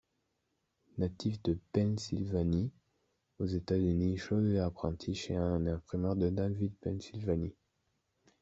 Natif de Pennsylvanie, aux États-Unis, Sholes est apprenti chez un imprimeur de Danville, Pennsylvanie.